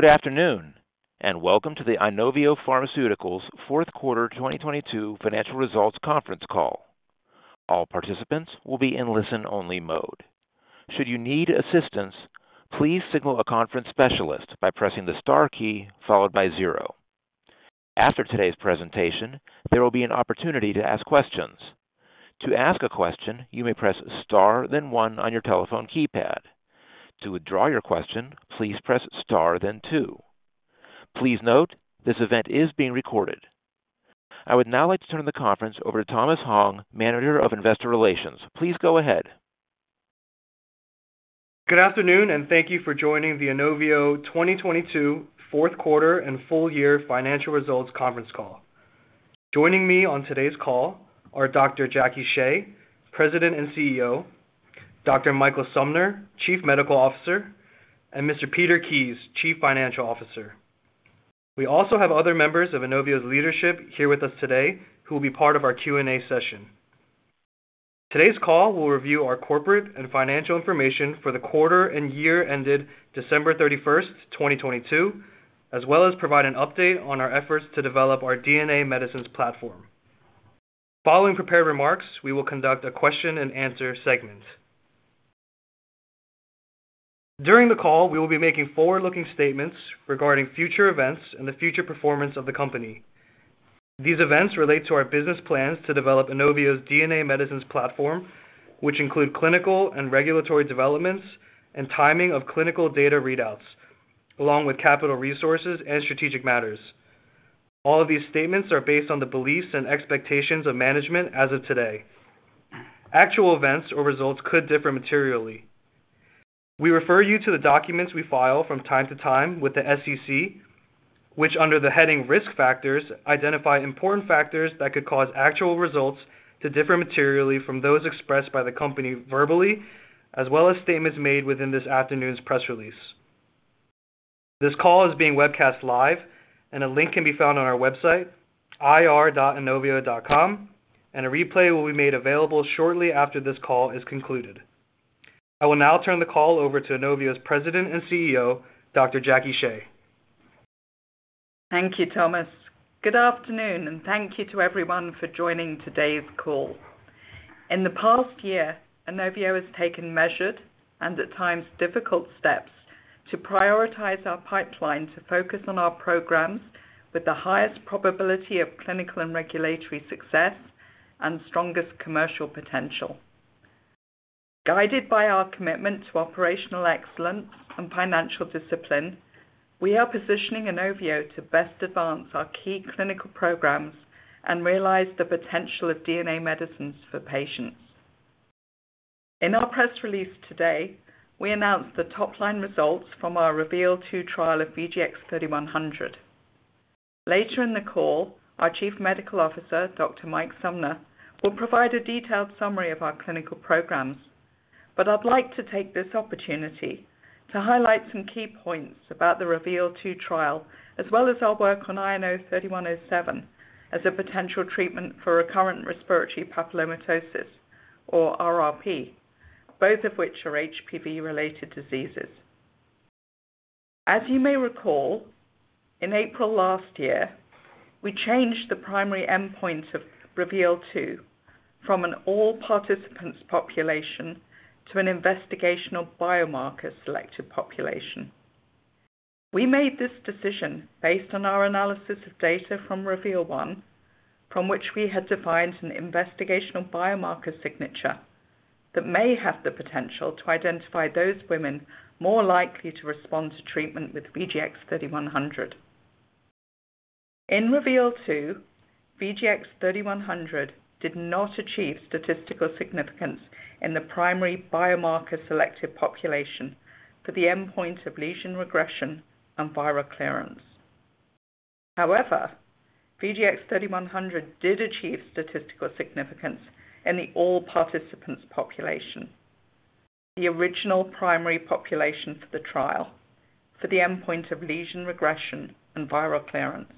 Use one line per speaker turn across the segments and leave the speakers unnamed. Good afternoon, and welcome to the INOVIO Pharmaceuticals Fourth Quarter 2022 Financial Results Conference Call. All participants will be in listen-only mode. Should you need assistance, please signal a conference specialist by pressing the star key followed by 0. After today's presentation, there will be an opportunity to ask questions. To ask a question, you may press star then 1 on your telephone keypad. To withdraw your question, please press star then 2. Please note, this event is being recorded. I would now like to turn the conference over to Thomas Hong, Manager of Investor Relations. Please go ahead.
Good afternoon, and thank you for joining the INOVIO 2022 Fourth Quarter and Full Year Financial Results Conference Call. Joining me on today's call are Dr. Jackie Shea, President and CEO, Dr. Michael Sumner, Chief Medical Officer, and Mr. Peter Kies, Chief Financial Officer. We also have other members of INOVIO's leadership here with us today who will be part of our Q&A session. Today's call will review our corporate and financial information for the quarter and year ended December 31st, 2022, as well as provide an update on our efforts to develop our DNA medicines platform. Following prepared remarks, we will conduct a question and answer segment. During the call, we will be making forward-looking statements regarding future events and the future performance of the company. These events relate to our business plans to develop INOVIO's DNA medicines platform, which include clinical and regulatory developments and timing of clinical data readouts, along with capital resources and strategic matters. All of these statements are based on the beliefs and expectations of management as of today. Actual events or results could differ materially. We refer you to the documents we file from time to time with the SEC, which under the heading Risk Factors, identify important factors that could cause actual results to differ materially from those expressed by the company verbally, as well as statements made within this afternoon's press release. This call is being webcast live and a link can be found on our website, ir.inovio.com, and a replay will be made available shortly after this call is concluded. I will now turn the call over to INOVIO's President and CEO, Dr. Jacqueline Shea.
Thank you, Thomas. Good afternoon. Thank you to everyone for joining today's call. In the past year, INOVIO has taken measured and at times difficult steps to prioritize our pipeline to focus on our programs with the highest probability of clinical and regulatory success and strongest commercial potential. Guided by our commitment to operational excellence and financial discipline, we are positioning INOVIO to best advance our key clinical programs and realize the potential of DNA medicines for patients. In our press release today, we announced the top-line results from our REVEAL 2 trial of VGX-3100. Later in the call, our Chief Medical Officer, Dr. Mike Sumner, will provide a detailed summary of our clinical programs. I'd like to take this opportunity to highlight some key points about the REVEAL 2 trial, as well as our work on INO-3107 as a potential treatment for recurrent respiratory papillomatosis or RRP, both of which are HPV-related diseases. As you may recall, in April last year, we changed the primary endpoint of REVEAL 2 from an all participants population to an investigational biomarker selected population. We made this decision based on our analysis of data from REVEAL 1, from which we had defined an investigational biomarker signature that may have the potential to identify those women more likely to respond to treatment with VGX-3100. In REVEAL 2, VGX-3100 did not achieve statistical significance in the primary biomarker selected population for the endpoint of lesion regression and viral clearance. VGX-3100 did achieve statistical significance in the all participants population, the original primary population for the trial for the endpoint of lesion regression and viral clearance.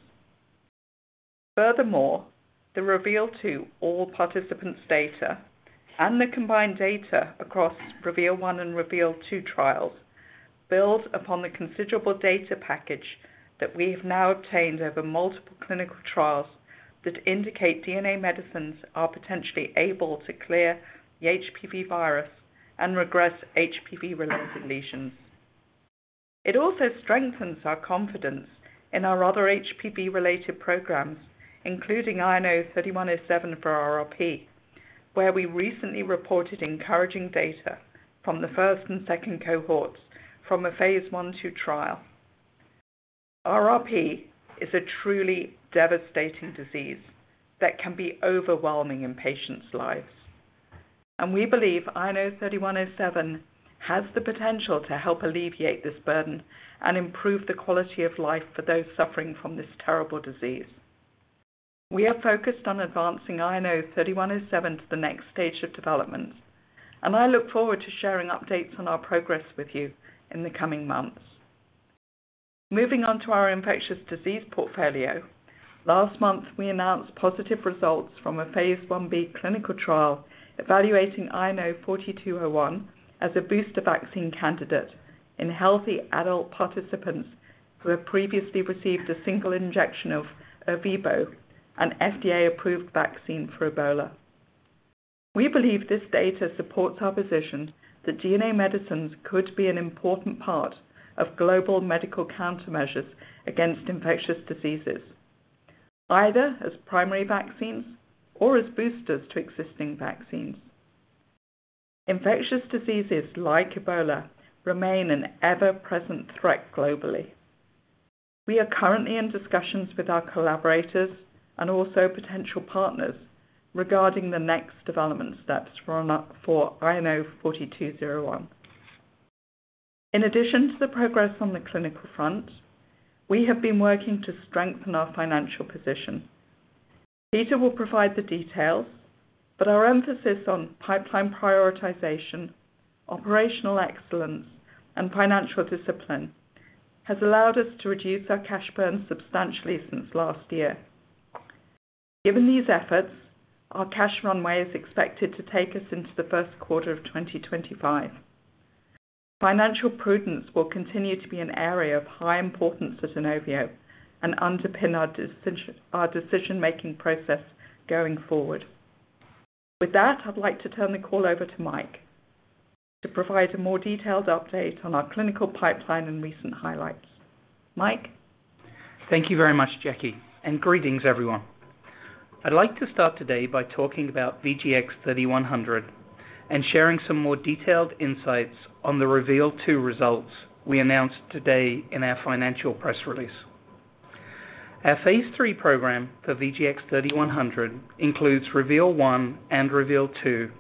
The REVEAL 2 all participants data and the combined data across REVEAL 1 and REVEAL 2 trials build upon the considerable data package that we have now obtained over multiple clinical trials that indicate DNA medicines are potentially able to clear the HPV virus and regress HPV-related lesions. It also strengthens our confidence in our other HPV-related programs, including INO-3107 for RRP, where we recently reported encouraging data from the first and second cohorts from a phase I/II trial. RRP is a truly devastating disease that can be overwhelming in patients' lives. We believe INO-3107 has the potential to help alleviate this burden and improve the quality of life for those suffering from this terrible disease. We are focused on advancing INO-3107 to the next stage of development. I look forward to sharing updates on our progress with you in the coming months. Moving on to our infectious disease portfolio. Last month, we announced positive results from a phase IB clinical trial evaluating INO-4201 as a booster vaccine candidate in healthy adult participants who have previously received a single injection of ERVEBO, an FDA-approved vaccine for Ebola. We believe this data supports our position that DNA medicines could be an important part of global medical countermeasures against infectious diseases, either as primary vaccines or as boosters to existing vaccines. Infectious diseases like Ebola remain an ever-present threat globally. We are currently in discussions with our collaborators and also potential partners regarding the next development steps for INO-4201. In addition to the progress on the clinical front, we have been working to strengthen our financial position. Peter will provide the details, but our emphasis on pipeline prioritization, operational excellence, and financial discipline has allowed us to reduce our cash burn substantially since last year. Given these efforts, our cash runway is expected to take us into the first quarter of 2025. Financial prudence will continue to be an area of high importance to Inovio and underpin our decision-making process going forward. With that, I'd like to turn the call over to Mike to provide a more detailed update on our clinical pipeline and recent highlights. Mike.
Thank you very much, Jackie. Greetings everyone. I'd like to start today by talking about VGX-3100 and sharing some more detailed insights on the REVEAL 2 results we announced today in our financial press release. Our phase III program for VGX-3100 includes REVEAL 1 and REVEAL 2,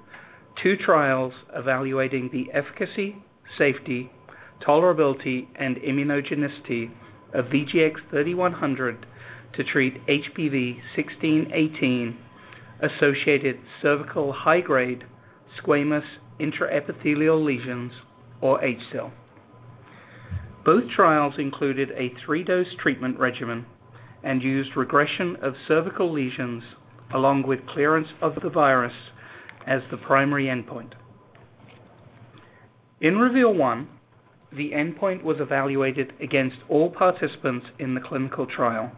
two trials evaluating the efficacy, safety, tolerability, and immunogenicity of VGX-3100 to treat HPV-16/18-associated cervical high-grade squamous intraepithelial lesions or HSIL. Both trials included a 3-dose treatment regimen and used regression of cervical lesions along with clearance of the virus as the primary endpoint. In REVEAL 1, the endpoint was evaluated against all participants in the clinical trial.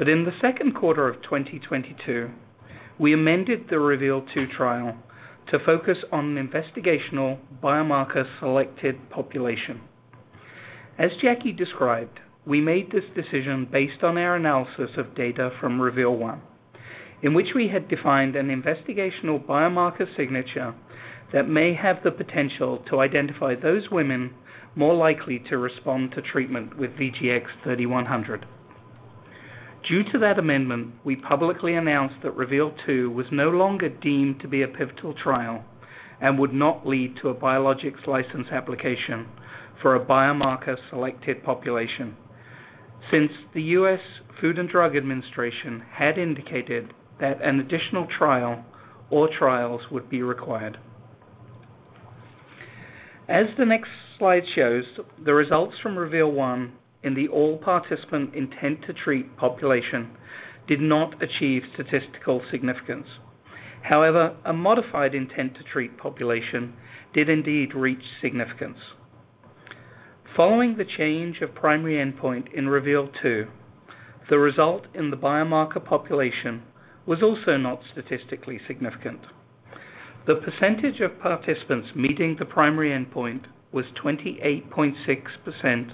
In the second quarter of 2022, we amended the REVEAL 2 trial to focus on an investigational biomarker selected population. As Jackie described, we made this decision based on our analysis of data from REVEAL 1, in which we had defined an investigational biomarker signature that may have the potential to identify those women more likely to respond to treatment with VGX-3100. Due to that amendment, we publicly announced that REVEAL 2 was no longer deemed to be a pivotal trial and would not lead to a biologics license application for a biomarker selected population since the U.S. Food and Drug Administration had indicated that an additional trial or trials would be required. As the next slide shows, the results from REVEAL 1 in the all participant intent-to-treat population did not achieve statistical significance. However, a modified intent-to-treat population did indeed reach significance. Following the change of primary endpoint in REVEAL 2, the result in the biomarker population was also not statistically significant. The percentage of participants meeting the primary endpoint was 28.6%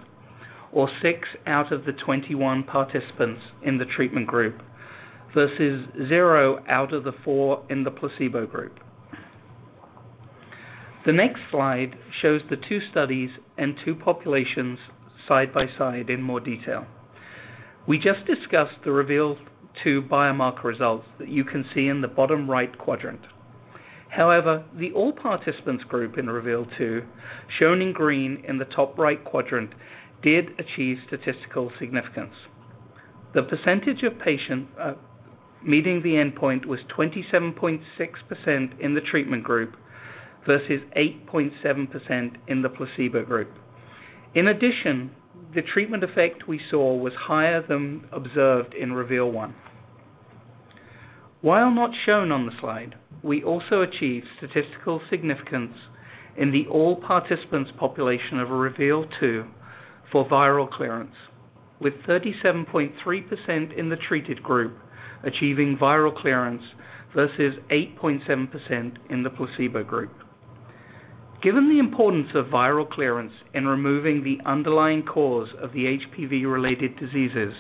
or 6 out of the 21 participants in the treatment group versus 0 out of the 4 in the placebo group. The next slide shows the 2 studies and 2 populations side by side in more detail. We just discussed the REVEAL 2 biomarker results that you can see in the bottom right quadrant. However, the all participants group in REVEAL 2, shown in green in the top right quadrant, did achieve statistical significance. The percentage of patients meeting the endpoint was 27.6% in the treatment group versus 8.7% in the placebo group. In addition, the treatment effect we saw was higher than observed in REVEAL 1. While not shown on the slide, we also achieved statistical significance in the all participants population of REVEAL 2 for viral clearance, with 37.3% in the treated group achieving viral clearance versus 8.7% in the placebo group. Given the importance of viral clearance in removing the underlying cause of the HPV-related diseases,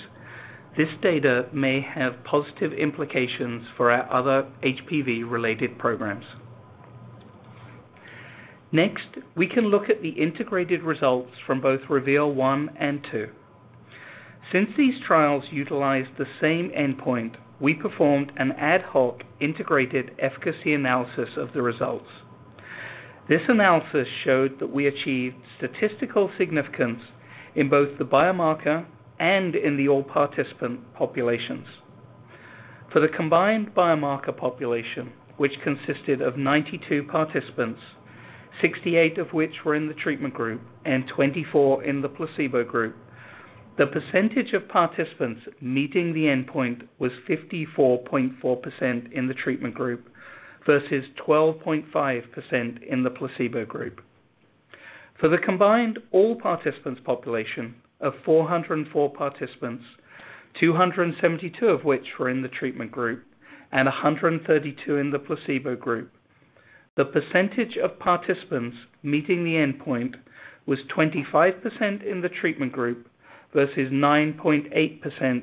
this data may have positive implications for our other HPV-related programs. We can look at the integrated results from both REVEAL 1 and 2. Since these trials utilized the same endpoint, we performed an ad hoc integrated efficacy analysis of the results. This analysis showed that we achieved statistical significance in both the biomarker and in the all participant populations. For the combined biomarker population, which consisted of 92 participants, 68 of which were in the treatment group and 24 in the placebo group, the percentage of participants meeting the endpoint was 54.4% in the treatment group versus 12.5% in the placebo group. For the combined all participants population of 404 participants, 272 of which were in the treatment group and 132 in the placebo group, the percentage of participants meeting the endpoint was 25% in the treatment group versus 9.8%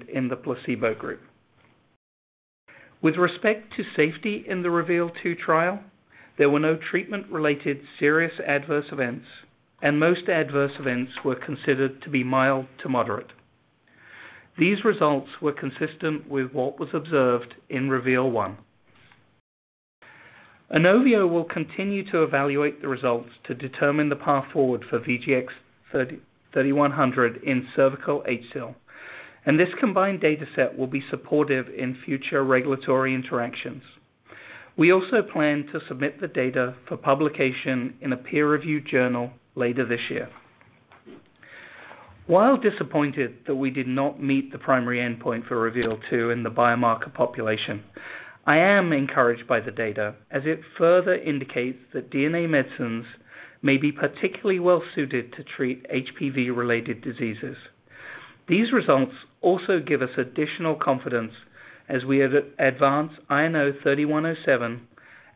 in the placebo group. With respect to safety in the REVEAL 2 trial, there were no treatment-related serious adverse events, and most adverse events were considered to be mild to moderate. These results were consistent with what was observed in REVEAL 1. INOVIO will continue to evaluate the results to determine the path forward for VGX-3100 in cervical HSIL. This combined data set will be supportive in future regulatory interactions. We also plan to submit the data for publication in a peer-reviewed journal later this year. While disappointed that we did not meet the primary endpoint for REVEAL 2 in the biomarker population, I am encouraged by the data as it further indicates that DNA medicines may be particularly well suited to treat HPV-related diseases. These results also give us additional confidence as we advance INO-3107,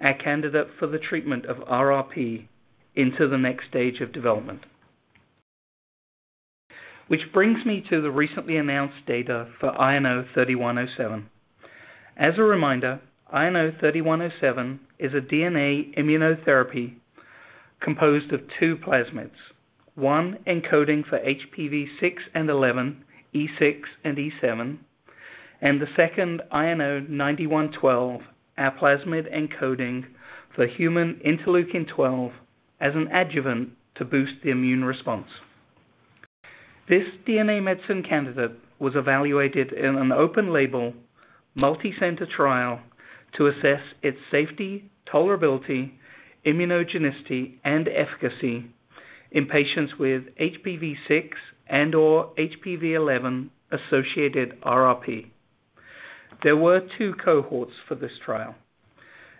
our candidate for the treatment of RRP, into the next stage of development. Which brings me to the recently announced data for INO-3107. As a reminder, INO-3107 is a DNA immunotherapy composed of 2 plasmids, one encoding for HPV-6 and -11, E6 and E7, and the second INO-9012, our plasmid encoding for human interleukin-12 as an adjuvant to boost the immune response. This DNA medicine candidate was evaluated in an open label, multicenter trial to assess its safety, tolerability, immunogenicity, and efficacy in patients with HPV-6 and/or HPV-11-associated RRP. There were 2 cohorts for this trial.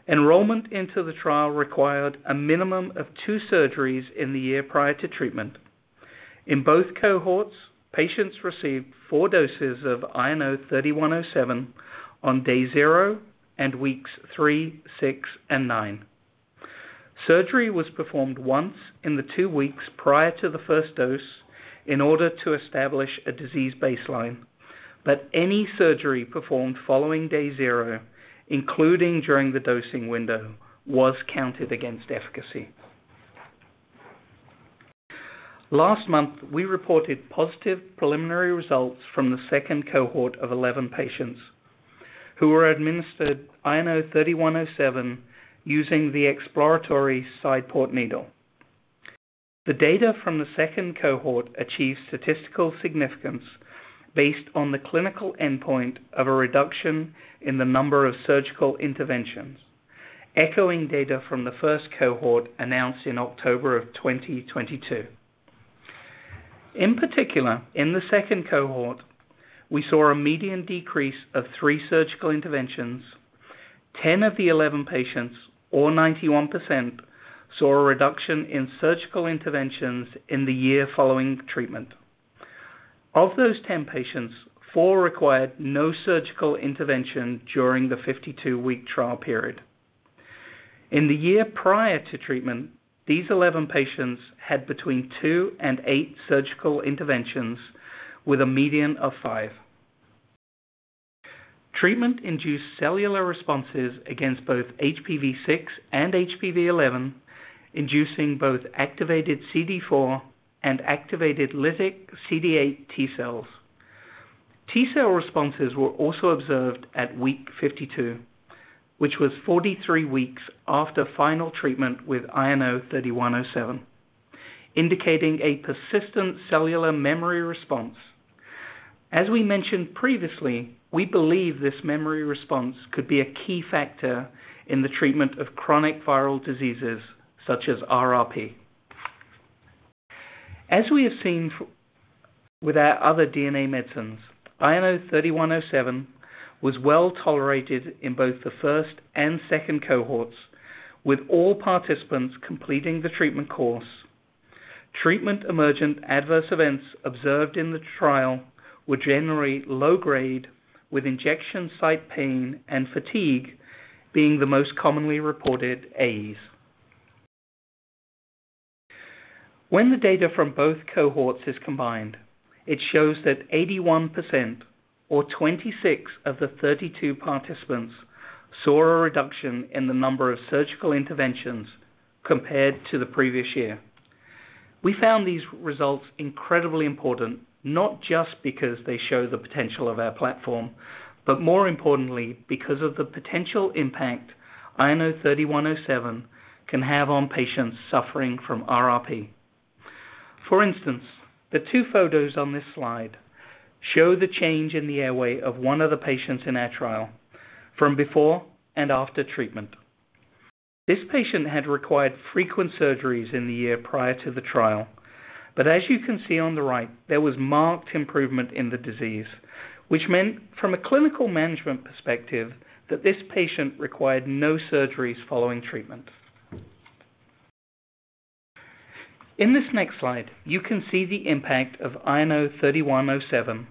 Enrollment into the trial required a minimum of 2 surgeries in the year prior to treatment. In both cohorts, patients received 4 doses of INO-3107 on day 0 and weeks 3, 6, and 9. Surgery was performed once in the 2 weeks prior to the first dose in order to establish a disease baseline. Any surgery performed following day 0, including during the dosing window, was counted against efficacy. Last month, we reported positive preliminary results from the second cohort of 11 patients who were administered INO-3107 using the exploratory side port needle. The data from the second cohort achieved statistical significance based on the clinical endpoint of a reduction in the number of surgical interventions, echoing data from the first cohort announced in October of 2022. In particular, in the second cohort, we saw a median decrease of 3 surgical interventions. 10 of the 11 patients, or 91%, saw a reduction in surgical interventions in the year following treatment. Of those 10 patients, 4 required no surgical intervention during the 52-week trial period. In the year prior to treatment, these 11 patients had between 2 and 8 surgical interventions with a median of 5. Treatment induced cellular responses against both HPV-6 and HPV-11, inducing both activated CD4 and activated lytic CD8 T cells. T-cell responses were also observed at week 52, which was 43 weeks after final treatment with INO-3107, indicating a persistent cellular memory response. As we mentioned previously, we believe this memory response could be a key factor in the treatment of chronic viral diseases such as RRP. As we have seen with our other DNA medicines, INO-3107 was well tolerated in both the first and second cohorts, with all participants completing the treatment course. Treatment emergent adverse events observed in the trial were generally low grade, with injection site pain and fatigue being the most commonly reported AEs. When the data from both cohorts is combined, it shows that 81% or 26 of the 32 participants saw a reduction in the number of surgical interventions compared to the previous year. We found these results incredibly important, not just because they show the potential of our platform, but more importantly, because of the potential impact INO-3107 can have on patients suffering from RRP. For instance, the two photos on this slide show the change in the airway of one of the patients in our trial from before and after treatment. This patient had required frequent surgeries in the year prior to the trial, but as you can see on the right, there was marked improvement in the disease, which meant from a clinical management perspective that this patient required no surgeries following treatment. In this next slide, you can see the impact of INO-3107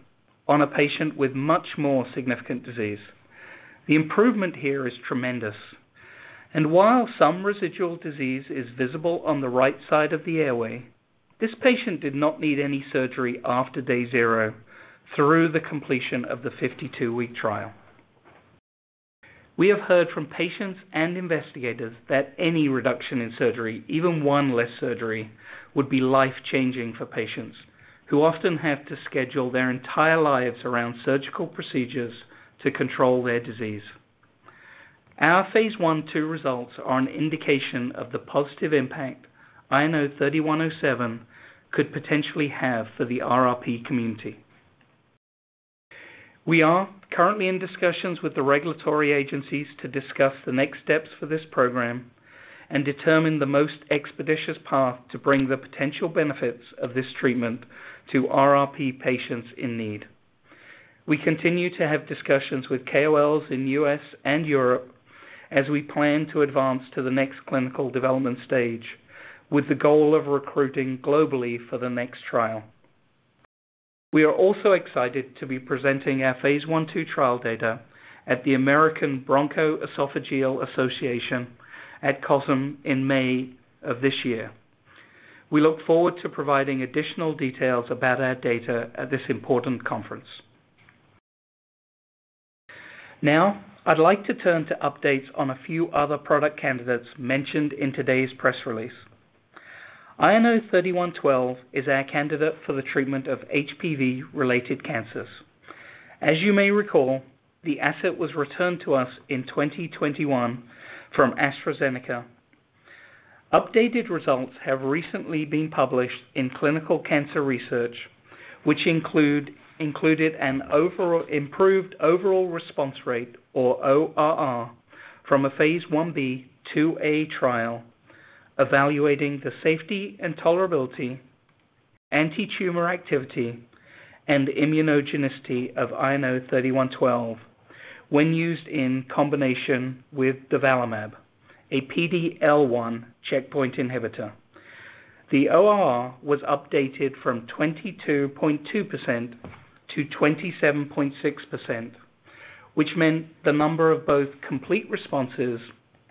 on a patient with much more significant disease. The improvement here is tremendous, and while some residual disease is visible on the right side of the airway, this patient did not need any surgery after day zero through the completion of the 52-week trial. We have heard from patients and investigators that any reduction in surgery, even 1 less surgery, would be life-changing for patients who often have to schedule their entire lives around surgical procedures to control their disease. Our phase I/II results are an indication of the positive impact INO-3107 could potentially have for the RRP community. We are currently in discussions with the regulatory agencies to discuss the next steps for this program and determine the most expeditious path to bring the potential benefits of this treatment to RRP patients in need. We continue to have discussions with KOLs in U.S. and Europe as we plan to advance to the next clinical development stage with the goal of recruiting globally for the next trial. We are also excited to be presenting our phase I/II trial data at the American Broncho-Esophagological Association at COSM in May of this year. We look forward to providing additional details about our data at this important conference. Now, I'd like to turn to updates on a few other product candidates mentioned in today's press release. INO-3112 is our candidate for the treatment of HPV-related cancers. As you may recall, the asset was returned to us in 2021 from AstraZeneca. Updated results have recently been published in Clinical Cancer Research, which included an improved overall response rate, or ORR, from a phase IB/IIA trial evaluating the safety and tolerability, antitumor activity, and immunogenicity of INO-3112 when used in combination with durvalumab, a PD-L1 checkpoint inhibitor. The ORR was updated from 22.2% to 27.6%, which meant the number of both complete responses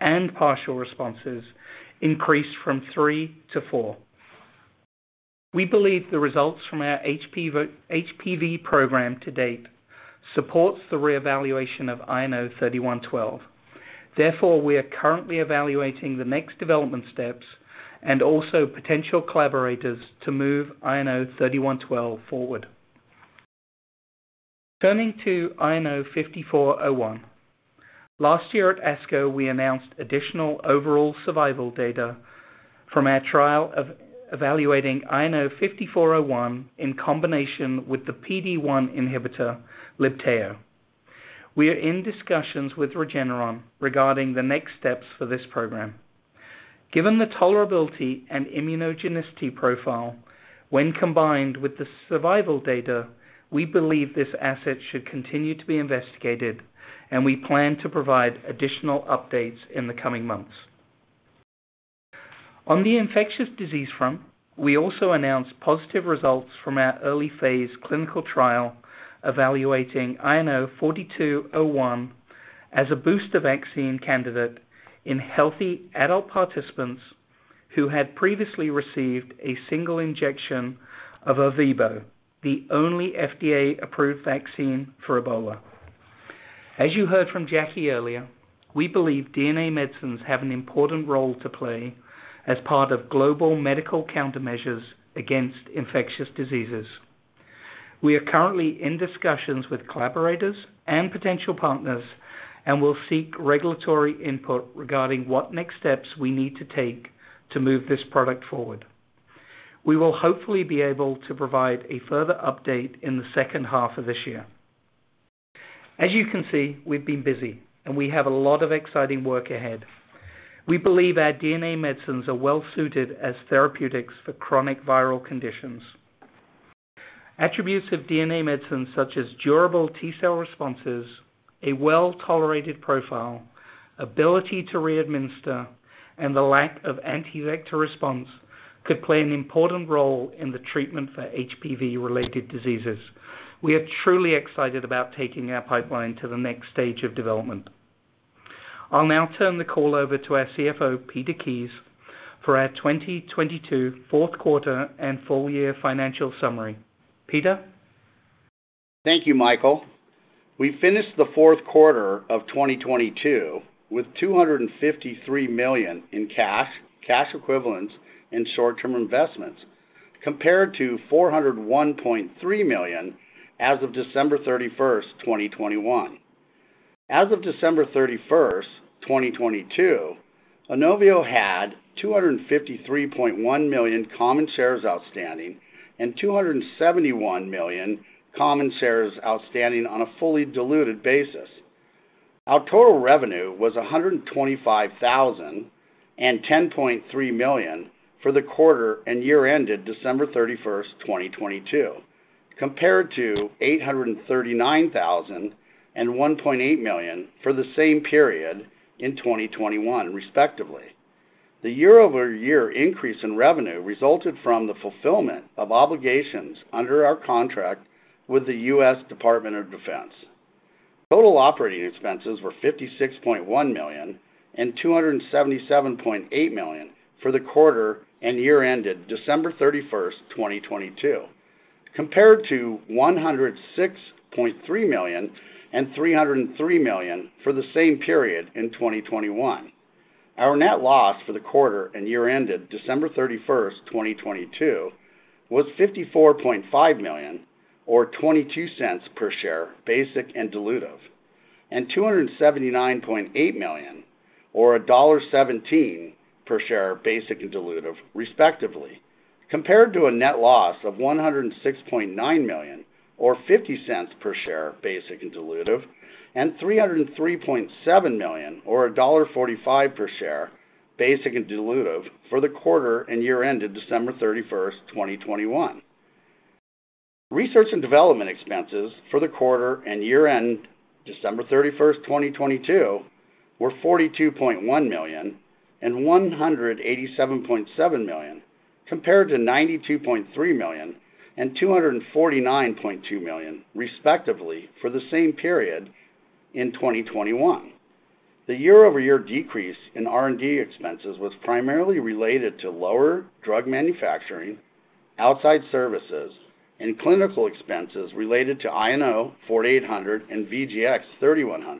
and partial responses increased from three to four. We believe the results from our HPV program to date supports the reevaluation of INO-3112. We are currently evaluating the next development steps and also potential collaborators to move INO-3112 forward. Turning to INO-5401. Last year at ASCO, we announced additional overall survival data from our trial of evaluating INO-5401 in combination with the PD-1 inhibitor Libtayo. We are in discussions with Regeneron regarding the next steps for this program. Given the tolerability and immunogenicity profile when combined with the survival data, we believe this asset should continue to be investigated, and we plan to provide additional updates in the coming months. On the infectious disease front, we also announced positive results from our early phase clinical trial evaluating INO-4201 as a booster vaccine candidate in healthy adult participants who had previously received a single injection of ERVEBO, the only FDA-approved vaccine for Ebola. As you heard from Jackie earlier, we believe DNA medicines have an important role to play as part of global medical countermeasures against infectious diseases. We are currently in discussions with collaborators and potential partners and will seek regulatory input regarding what next steps we need to take to move this product forward. We will hopefully be able to provide a further update in the second half of this year. As you can see, we've been busy, and we have a lot of exciting work ahead. We believe our DNA medicines are well suited as therapeutics for chronic viral conditions. Attributes of DNA medicines such as durable T-cell responses, a well-tolerated profile, ability to re-administer, and the lack of anti-vector response could play an important role in the treatment for HPV-related diseases. We are truly excited about taking our pipeline to the next stage of development. I'll now turn the call over to our CFO, Peter Kies, for our 2022 Fourth Quarter and full year financial summary. Peter?
Thank you, Michael. We finished the Fourth Quarter of 2022 with $253 million in cash equivalents, and short-term investments, compared to $401.3 million as of December 31st, 2021. As of December 31st, 2022, INOVIO had 253.1 million common shares outstanding and 271 million common shares outstanding on a fully diluted basis. Our total revenue was $125,000 and $10.3 million for the quarter and year ended December 31st, 2022, compared to $839,000 and $1.8 million for the same period in 2021, respectively. The year-over-year increase in revenue resulted from the fulfillment of obligations under our contract with the U.S. Department of Defense. Total operating expenses were $56.1 million and $277.8 million for the quarter and year ended December 31st, 2022, compared to $106.3 million and $303 million for the same period in 2021. Our net loss for the quarter and year ended December 31st, 2022, was $54.5 million or $0.22 per share basic and dilutive, and $279.8 million or $1.17 per share basic and dilutive, respectively, compared to a net loss of $106.9 million or $0.50 per share basic and dilutive, and $303.7 million or $1.45 per share basic and dilutive for the quarter and year ended December 31, 2021. Research and development expenses for the quarter and year end December 31st, 2022, were $42.1 million and $187.7 million, compared to $92.3 million and $249.2 million, respectively, for the same period in 2021. The year-over-year decrease in R&D expenses was primarily related to lower drug manufacturing, outside services, and clinical expenses related to INO-4800 and VGX-3100,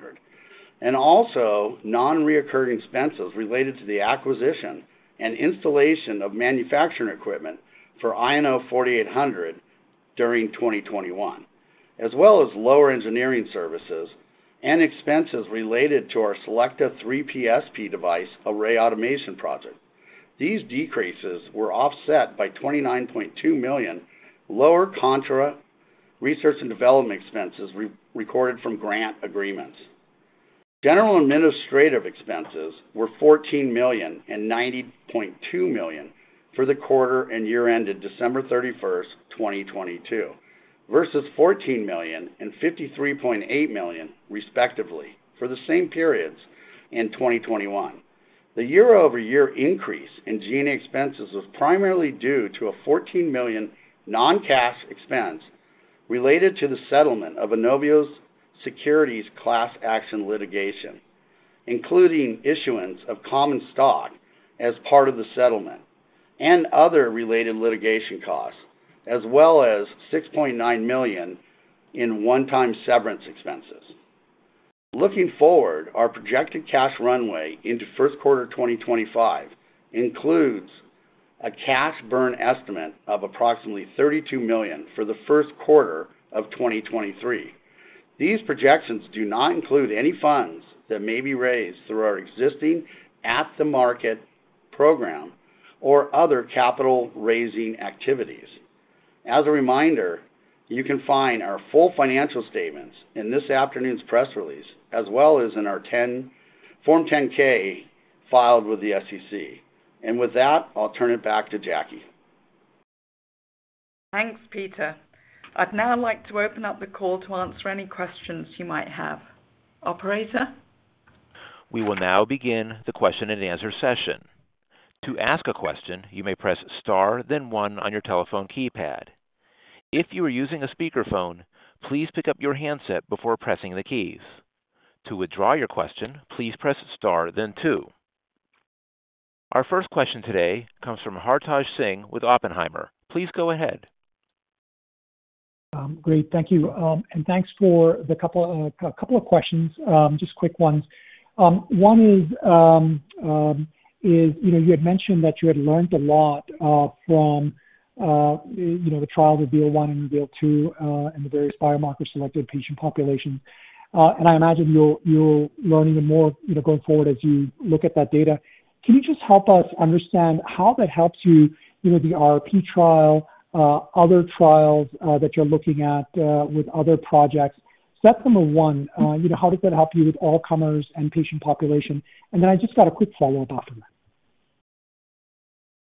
and also non-recurring expenses related to the acquisition and installation of manufacturing equipment for INO-4800 during 2021, as well as lower engineering services and expenses related to our CELLECTRA 3PSP device array automation project. These decreases were offset by $29.2 million lower contra research and development expenses re-recorded from grant agreements. General and administrative expenses were $14 million and $90.2 million for the quarter and year ended December 31st, 2022 versus $14 million and $53.8 million, respectively, for the same periods in 2021. The year-over-year increase in G&A expenses was primarily due to a $14 million non-cash expense related to the settlement of INOVIO's securities class action litigation, including issuance of common stock as part of the settlement and other related litigation costs, as well as $6.9 million in one-time severance expenses. Looking forward, our projected cash runway into first quarter 2025 includes a cash burn estimate of approximately $32 million for the first quarter of 2023. These projections do not include any funds that may be raised through our existing at-the-market program or other capital raising activities. As a reminder, you can find our full financial statements in this afternoon's press release as well as in our Form 10-K filed with the SEC. With that, I'll turn it back to Jackie.
Thanks, Peter. I'd now like to open up the call to answer any questions you might have. Operator.
We will now begin the question and answer session. To ask a question, you may press star then 1 on your telephone keypad. If you are using a speakerphone, please pick up your handset before pressing the keys. To withdraw your question, please press star then 2. Our first question today comes from Hartaj Singh with Oppenheimer. Please go ahead.
Great. Thank you. Thanks for a couple of questions, just quick ones. One is, you know, you had mentioned that you had learned a lot from, you know, the trial, REVEAL 1 and REVEAL 2, and the various biomarker selected patient population. I imagine you'll learn even more, you know, going forward as you look at that data. Can you just help us understand how that helps you? You know, the RRP trial, other trials that you're looking at with other projects. That's number one. You know, how does that help you with all comers and patient population? I just got a quick follow-up after that.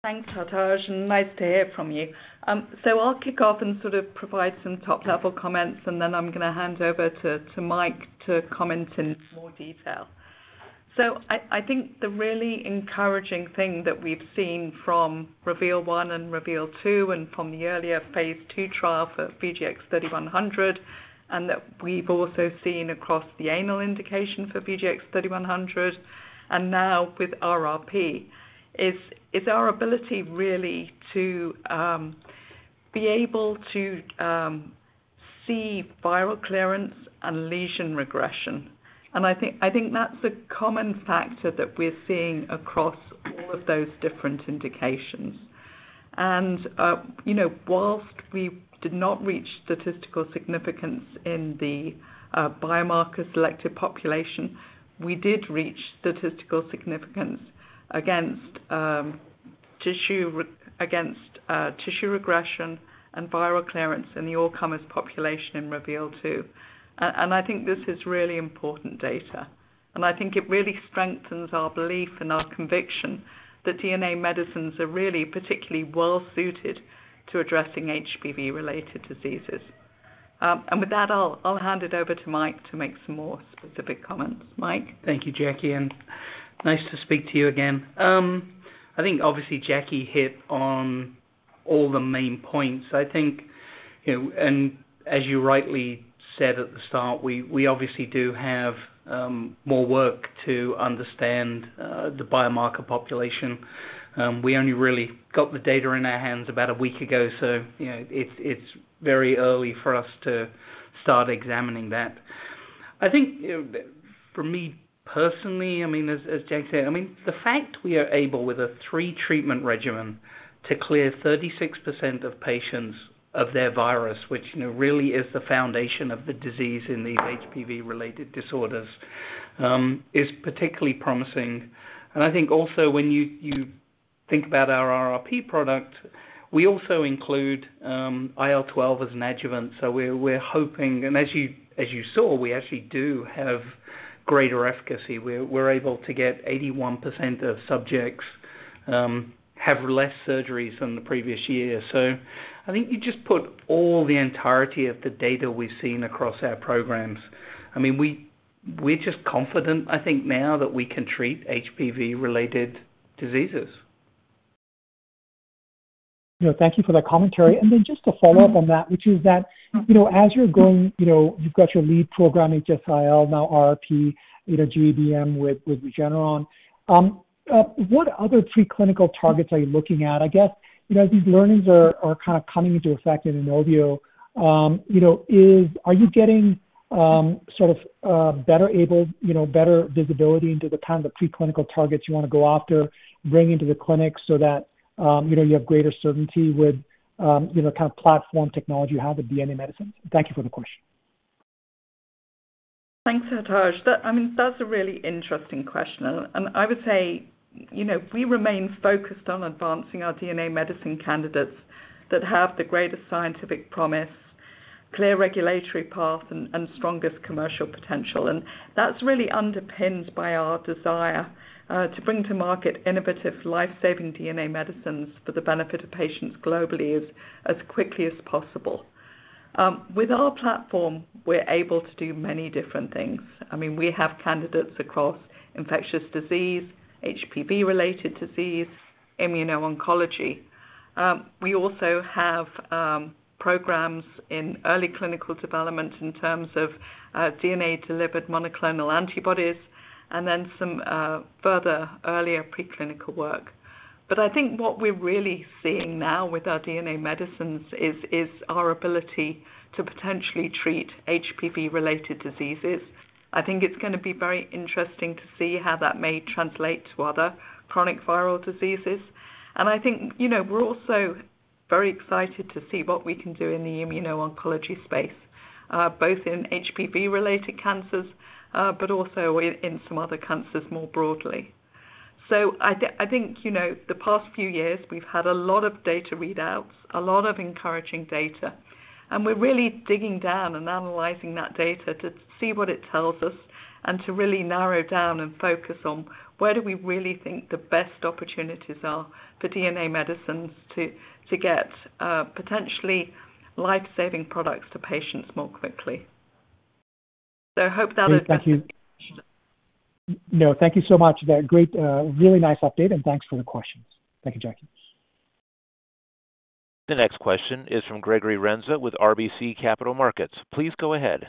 Thanks, Hartaj, and nice to hear from you. I'm gonna kick off and sort of provide some top-level comments, and then I'm gonna hand over to Mike to comment in more detail. I think the really encouraging thing that we've seen from REVEAL 1 and REVEAL 2 and from the earlier phase II trial for VGX-3100 and that we've also seen across the anal indication for VGX-3100 and now with RRP is our ability really to be able to see viral clearance and lesion regression. I think that's a common factor that we're seeing across all of those different indications. You know, whilst we did not reach statistical significance in the biomarker-selected population, we did reach statistical significance against tissue regression and viral clearance in the all-comers population in REVEAL 2. I think this is really important data, and I think it really strengthens our belief and our conviction that DNA medicines are really particularly well-suited to addressing HPV-related diseases. With that, I'll hand it over to Mike to make some more specific comments. Mike.
Thank you, Jackie, and nice to speak to you again. I think obviously Jackie hit on all the main points. I think, you know, as you rightly said at the start, we obviously do have more work to understand the biomarker population. We only really got the data in our hands about a week ago, so you know, it's very early for us to start examining that. I think, you know, for me personally, I mean, as Jackie said, I mean, the fact we are able with a three-treatment regimen to clear 36% of patients of their virus, which, you know, really is the foundation of the disease in these HPV-related disorders, is particularly promising. I think also when you think about our RRP product, we also include IL-12 as an adjuvant. We're hoping. As you saw, we actually do have greater efficacy. We're able to get 81% of subjects have less surgeries than the previous year. I think you just put all the entirety of the data we've seen across our programs. I mean, we're just confident, I think, now that we can treat HPV-related diseases.
You know, thank you for that commentary. Then just to follow up on that, which is that, you know, as you're going, you know, you've got your lead program, HSIL, now RRP, you know, GBM with Regeneron, what other preclinical targets are you looking at? I guess, you know, as these learnings are kind of coming into effect in INOVIO, you know, Are you getting better able, you know, better visibility into the kind of the preclinical targets you wanna go after bringing to the clinic so that, you know, you have greater certainty with, you know, kind of platform technology you have at DNA Medicines? Thank you for the question.
Thanks, Hartaj. I mean, that's a really interesting question. I would say, you know, we remain focused on advancing our DNA medicines candidates that have the greatest scientific promise, clear regulatory path and strongest commercial potential. That's really underpinned by our desire to bring to market innovative life-saving DNA medicines for the benefit of patients globally as quickly as possible. With our platform, we're able to do many different things. I mean, we have candidates across infectious disease, HPV-related disease, immuno-oncology. We also have programs in early clinical development in terms of DNA-encoded monoclonal antibodies and then some further earlier preclinical work. I think what we're really seeing now with our DNA medicines is our ability to potentially treat HPV-related diseases. I think it's gonna be very interesting to see how that may translate to other chronic viral diseases. I think, you know, we're also very excited to see what we can do in the immuno-oncology space, both in HPV-related cancers, but also in some other cancers more broadly. I think, you know, the past few years, we've had a lot of data readouts, a lot of encouraging data, and we're really digging down and analyzing that data to see what it tells us and to really narrow down and focus on where do we really think the best opportunities are for DNA medicines to get, potentially life-saving products to patients more quickly. Hope that was-
Great. Thank you. No, thank you so much. That great, really nice update, and thanks for the questions. Thank you, Jackie.
The next question is from Gregory Renza with RBC Capital Markets. Please go ahead.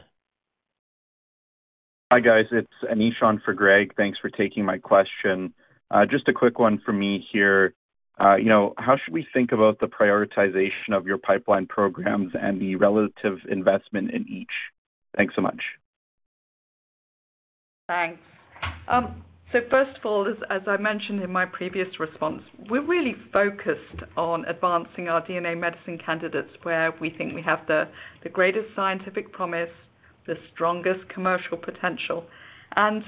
Hi, guys. It's Anish on for Greg. Thanks for taking my question. Just a quick one from me here. You know, how should we think about the prioritization of your pipeline programs and the relative investment in each? Thanks so much.
Thanks. First of all, as I mentioned in my previous response, we're really focused on advancing our DNA medicine candidates where we think we have the greatest scientific promise, the strongest commercial potential, and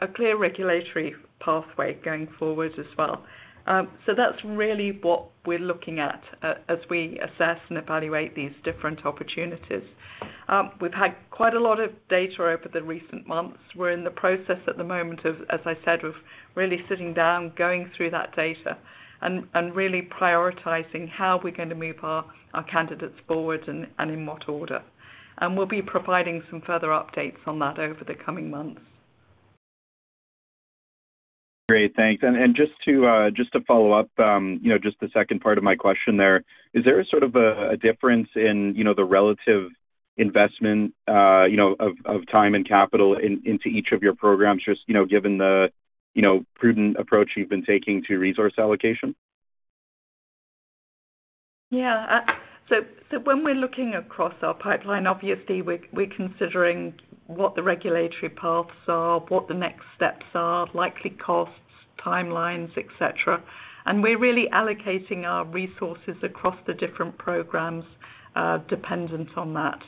a clear regulatory pathway going forward as well. That's really what we're looking at as we assess and evaluate these different opportunities. We've had quite a lot of data over the recent months. We're in the process at the moment of, as I said, of really sitting down, going through that data and really prioritizing how we're gonna move our candidates forward and in what order. We'll be providing some further updates on that over the coming months.
Great. Thanks. Just to follow up, you know, just the second part of my question there. Is there a sort of a difference in, you know, the relative investment, you know, of time and capital into each of your programs just, you know, given the, you know, prudent approach you've been taking to resource allocation?
Yeah. When we're looking across our pipeline, obviously we're considering what the regulatory paths are, what the next steps are, likely costs, timelines, et cetera. We're really allocating our resources across the different programs dependent on that.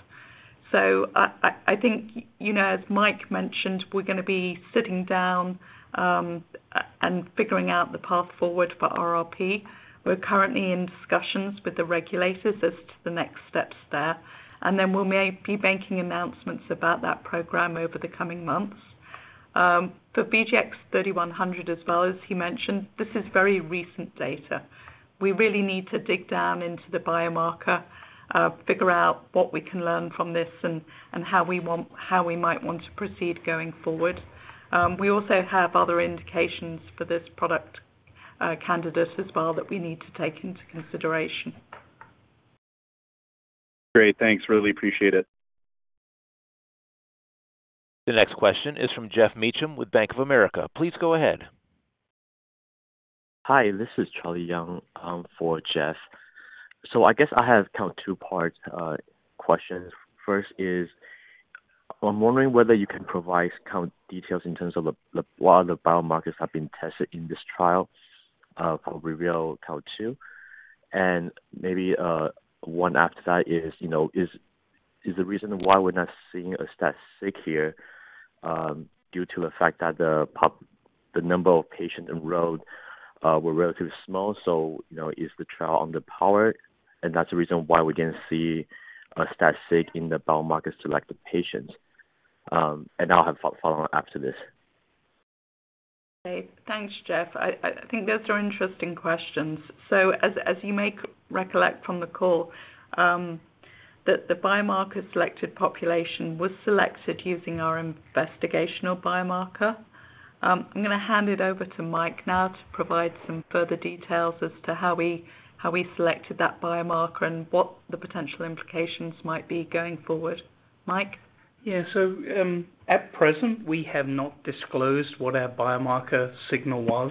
I think, you know, as Mike mentioned, we're gonna be sitting down and figuring out the path forward for RRP. We're currently in discussions with the regulators as to the next steps there. We may be making announcements about that program over the coming months. For VGX-3100 as well as he mentioned, this is very recent data. We really need to dig down into the biomarker, figure out what we can learn from this and how we might want to proceed going forward. We also have other indications for this product candidate as well that we need to take into consideration.
Great. Thanks. Really appreciate it.
The next question is from Geoff Meacham with Bank of America. Please go ahead.
Hi, this is Charlie Young, for Geoff. I guess I have kind of 2-part questions. First is, I'm wondering whether you can provide kind of details in terms of what the biomarkers have been tested in this trial for REVEAL 2. Maybe one after that is, you know, is the reason why we're not seeing a statistic here due to the fact that the number of patients enrolled were relatively small, so, you know, is the trial underpowered, and that's the reason why we didn't see a statistic in the biomarkers selected patients. I'll have follow-up after this.
Okay. Thanks, Geoff. I think those are interesting questions. As you may recollect from the call, that the biomarker selected population was selected using our investigational biomarker. I'm gonna hand it over to Mike now to provide some further details as to how we selected that biomarker and what the potential implications might be going forward. Mike.
At present, we have not disclosed what our biomarker signal was.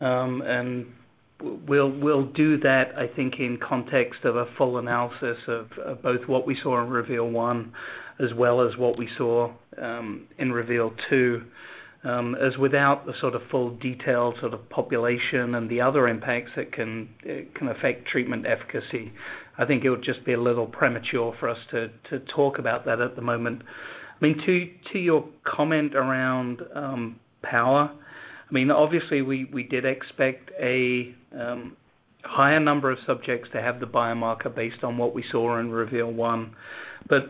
We'll do that, I think, in context of a full analysis of both what we saw in REVEAL 1 as well as what we saw in REVEAL 2. Without the sort of full detail sort of population and the other impacts that can affect treatment efficacy, I think it would just be a little premature for us to talk about that at the moment. I mean, to your comment around power, I mean, obviously we did expect a higher number of subjects to have the biomarker based on what we saw in REVEAL 1.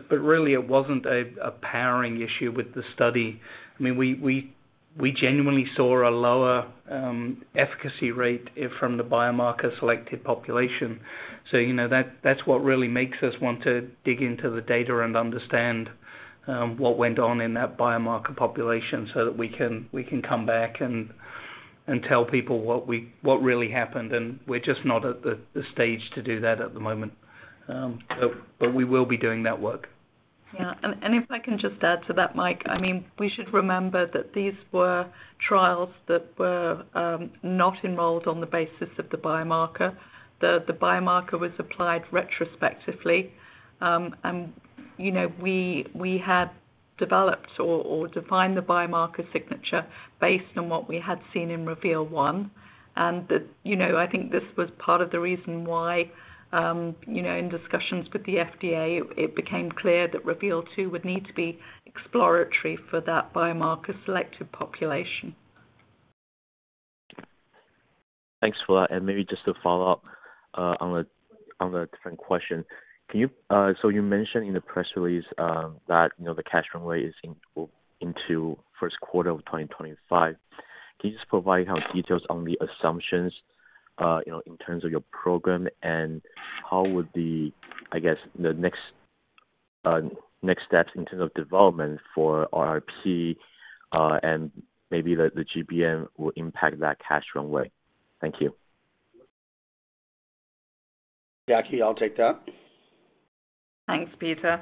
Really it wasn't a powering issue with the study. I mean, we genuinely saw a lower efficacy rate from the biomarker selected population. you know, that's what really makes us want to dig into the data and understand what went on in that biomarker population so that we can come back and tell people what really happened, and we're just not at the stage to do that at the moment. But we will be doing that work.
Yeah. If I can just add to that, Mike. I mean, we should remember that these were trials that were not enrolled on the basis of the biomarker. The biomarker was applied retrospectively. You know, we had developed or defined the biomarker signature based on what we had seen in REVEAL 1. You know, I think this was part of the reason why, you know, in discussions with the FDA, it became clear that REVEAL 2 would need to be exploratory for that biomarker selected population.
Thanks for that. Maybe just to follow up, on a different question. So you mentioned in the press release, that, you know, the cash runway is into first quarter of 2025. Can you just provide kind of details on the assumptions, you know, in terms of your program and how would the, I guess, the next steps in terms of development for RRP, and maybe the GBM will impact that cash runway? Thank you.
Jackie, I'll take that.
Thanks, Peter.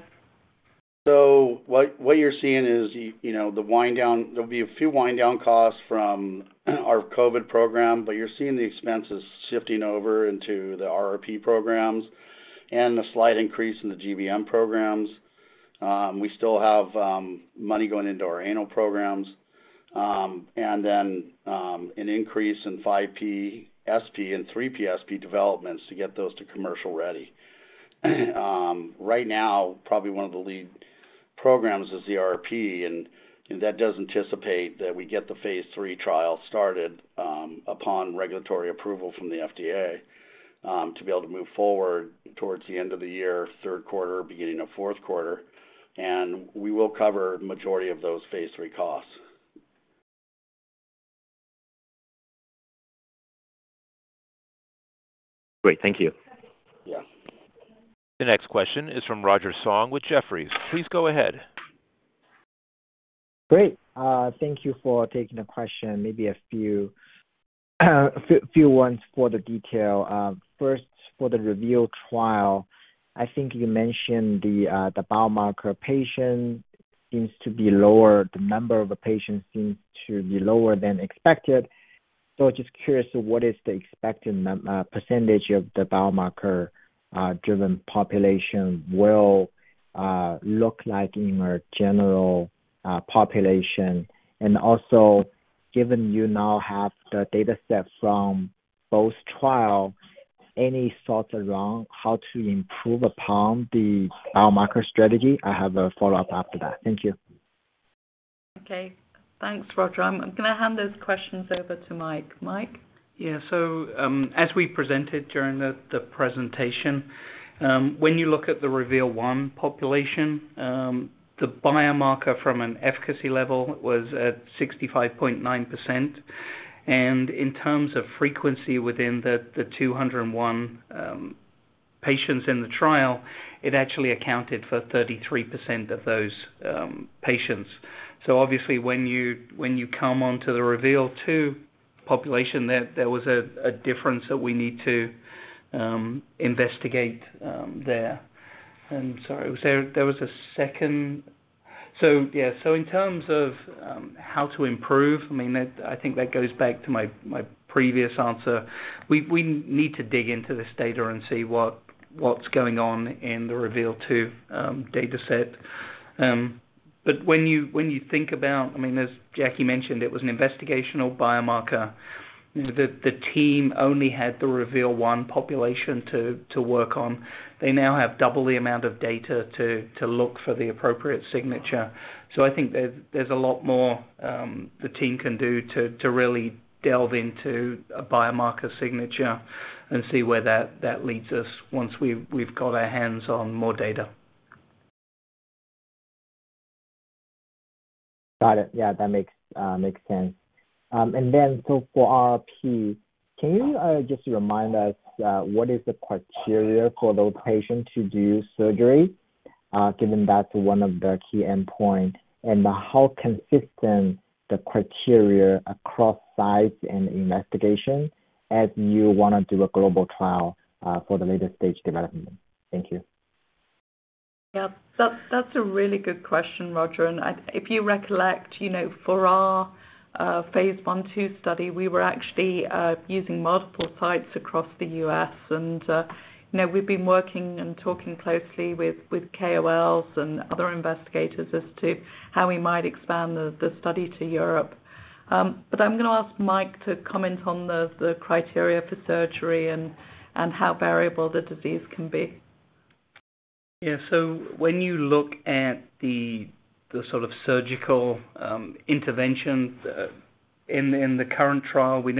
What you're seeing is you know, the wind down. There'll be a few wind down costs from our COVID program, but you're seeing the expenses shifting over into the RRP programs and the slight increase in the GBM programs. We still have money going into our anal programs. An increase in 5PSP and 3PSP developments to get those to commercial ready. Right now, probably one of the lead programs is the RRP, and that does anticipate that we get the phase III trial started upon regulatory approval from the FDA to be able to move forward towards the end of the year, third quarter, beginning of Fourth Quarter. We will cover majority of those phase III costs.
Great. Thank you.
Yeah.
The next question is from Roger Song with Jefferies. Please go ahead.
Great. Thank you for taking the question. Maybe a few ones for the detail. First, for the REVEAL trial, I think you mentioned the biomarker patient seems to be lower, the number of patients seems to be lower than expected. Just curious, what is the expected percentage of the biomarker, driven population will, look like in our general, population? Also, given you now have the data set from both trial, any thoughts around how to improve upon the biomarker strategy? I have a follow-up after that. Thank you.
Okay. Thanks, Roger. I'm gonna hand those questions over to Mike.
Yeah. As we presented during the presentation, when you look at the REVEAL 1 population, the biomarker from an efficacy level was at 65.9%. In terms of frequency within the 201 patients in the trial, it actually accounted for 33% of those patients. Obviously when you come onto the REVEAL 2 population, there was a difference that we need to investigate there. Sorry, was there was a second. Yeah. In terms of how to improve, I mean, that, I think that goes back to my previous answer. We need to dig into this data and see what's going on in the REVEAL 2 dataset. When you think about. I mean, as Jackie mentioned, it was an investigational biomarker. The team only had the REVEAL 1 population to work on. They now have double the amount of data to look for the appropriate signature. I think there's a lot more the team can do to really delve into a biomarker signature and see where that leads us once we've got our hands on more data.
Got it. Yeah, that makes sense. For RRP, can you just remind us what is the criteria for the patient to do surgery, given that's one of the key endpoint? How consistent the criteria across sites and investigation as you want to do a global trial for the later stage development? Thank you.
Yeah. That's a really good question, Roger Song. If you recollect, you know, for our phase I/II study, we were actually using multiple sites across the U.S. and, you know, we've been working and talking closely with KOLs and other investigators as to how we might expand the study to Europe. I'm gonna ask Mike to comment on the criteria for surgery and how variable the disease can be.
When you look at the sort of surgical intervention in the current trial, we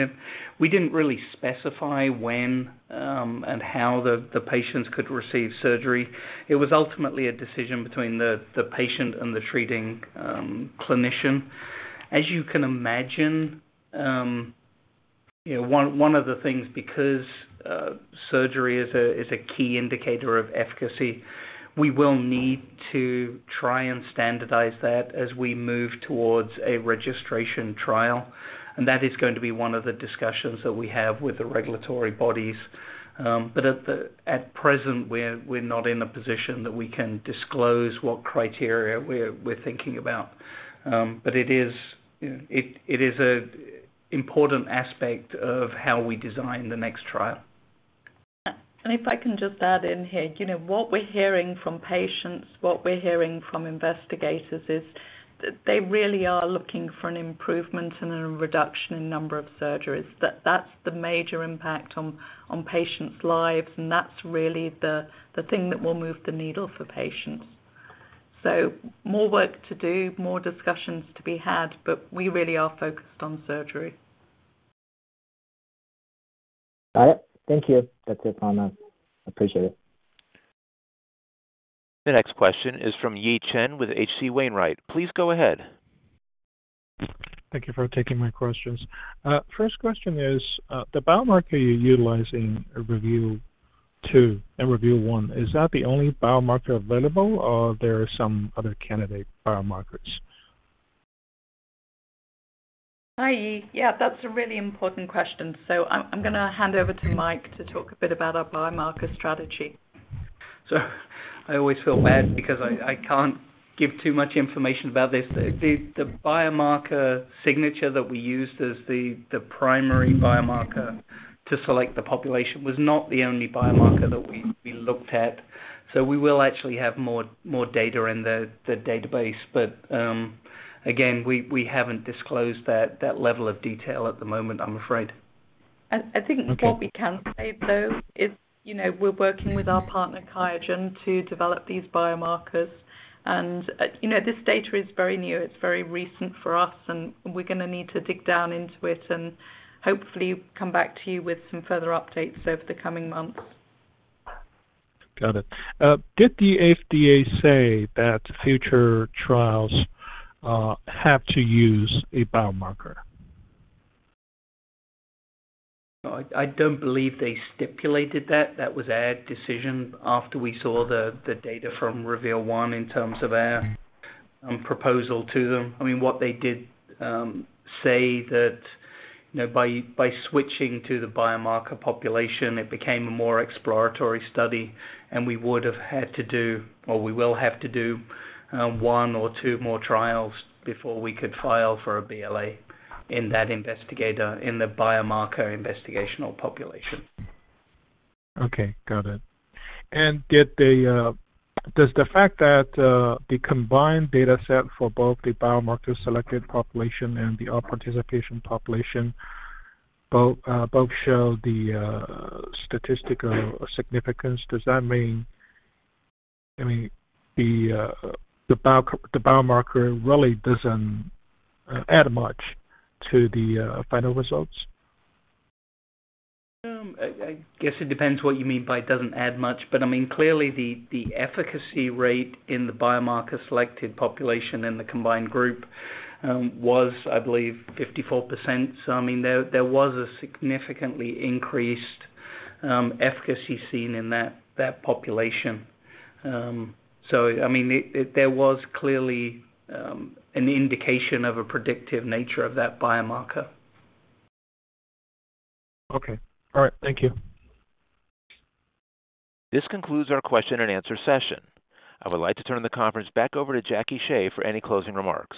didn't really specify when and how the patients could receive surgery. It was ultimately a decision between the patient and the treating clinician. As you can imagine, you know, one of the things because surgery is a, is a key indicator of efficacy, we will need to try and standardize that as we move towards a registration trial. That is going to be one of the discussions that we have with the regulatory bodies. At present, we're not in a position that we can disclose what criteria we're thinking about. It is, you know, it is a important aspect of how we design the next trial.
If I can just add in here. You know, what we're hearing from patients, what we're hearing from investigators is that they really are looking for an improvement and a reduction in number of surgeries. That's the major impact on patients' lives, and that's really the thing that will move the needle for patients. More work to do, more discussions to be had, but we really are focused on surgery.
Got it. Thank you. That's it on that. Appreciate it.
The next question is from Yi Chen with H.C. Wainwright. Please go ahead.
Thank you for taking my questions. First question is, the biomarker you're utilizing in REVEAL 2 and REVEAL 1, is that the only biomarker available or there are some other candidate biomarkers?
Hi, Yi. Yeah, that's a really important question. I'm gonna hand over to Mike to talk a bit about our biomarker strategy.
I always feel bad because I can't give too much information about this. The biomarker signature that we used as the primary biomarker to select the population was not the only biomarker that we looked at. We will actually have more data in the database. Again, we haven't disclosed that level of detail at the moment, I'm afraid.
Okay.
I think what we can say, though, is, you know, we're working with our partner, QIAGEN, to develop these biomarkers. you know, this data is very new, it's very recent for us, and we're gonna need to dig down into it and hopefully come back to you with some further updates over the coming months.
Got it. Did the FDA say that future trials have to use a biomarker?
No, I don't believe they stipulated that. That was our decision after we saw the data from REVEAL 1 in terms of our proposal to them. I mean, what they did say that. No, by switching to the biomarker population, it became a more exploratory study, and we would have had to do or we will have to do, one or two more trials before we could file for a BLA in the biomarker investigational population.
Okay. Got it. Did the. Does the fact that the combined data set for both the biomarker selected population and the all participation population both show the statistical significance, does that mean, I mean, the biomarker really doesn't add much to the final results?
I guess it depends what you mean by doesn't add much, but I mean, clearly the efficacy rate in the biomarker selected population in the combined group, was, I believe, 54%. I mean, there was a significantly increased efficacy seen in that population. I mean, it, there was clearly an indication of a predictive nature of that biomarker.
Okay. All right. Thank you.
This concludes our question and answer session. I would like to turn the conference back over to Jacqueline Shea for any closing remarks.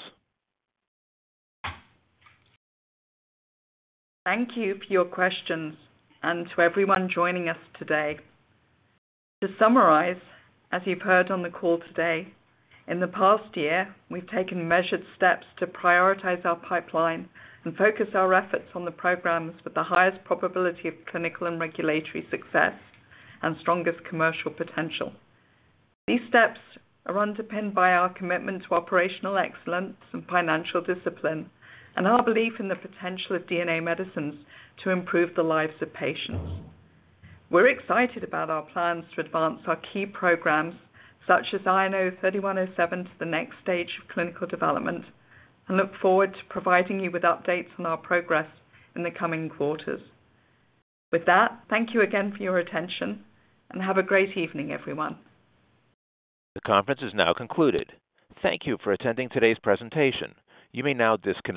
Thank you for your questions and to everyone joining us today. To summarize, as you've heard on the call today, in the past year, we've taken measured steps to prioritize our pipeline and focus our efforts on the programs with the highest probability of clinical and regulatory success and strongest commercial potential. These steps are underpinned by our commitment to operational excellence and financial discipline and our belief in the potential of DNA medicines to improve the lives of patients. We're excited about our plans to advance our key programs such as INO-3107 to the next stage of clinical development. Look forward to providing you with updates on our progress in the coming quarters. With that, thank you again for your attention and have a great evening, everyone.
The conference is now concluded. Thank you for attending today's presentation. You may now disconnect.